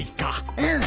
うん。